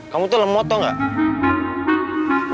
kamu tuh lemot tau gak